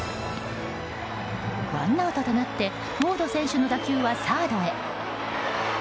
ワンアウトとなってウォード選手の打球はサードへ。